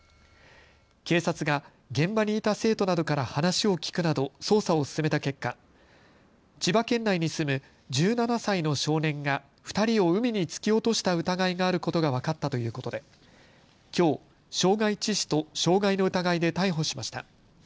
警察が現場にいた生徒などから話を聞くなど捜査を進めた結果、千葉県内に住む１７歳の少年が２人を海に突き落とした疑いがあることが分かったということできょう傷害致死と傷害の疑いで逮捕しました。